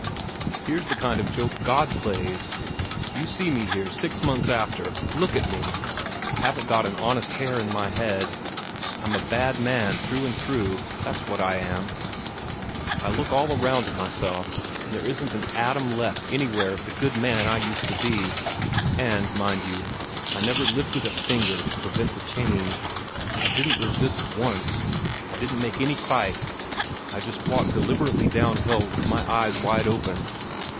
Here's the kind of joke God plays! You see me here six months after. Look at me! I haven't got an honest hair in my head. I'm a bad man through and through, that's what I am. I look all around at myself, and there isn't an atom left anywhere of the good man I used to be. And, mind you, I never lifted a finger to prevent the change. I didn't resist once; I didn't make any fight. I just walked deliberately down hill, with my eyes wide open.